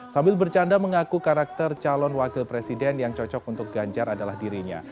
sambil bercanda mengaku karakter calon wakil presiden yang cocok untuk ganjar adalah dirinya